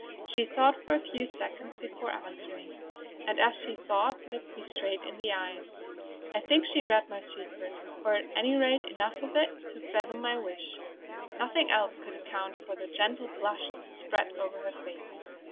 She thought for a few seconds before answering, and as she thought looked me straight in the eyes. I think she read my secret, or at any rate enough of it to fathom my wish; nothing else could account for the gentle blush that spread over her face.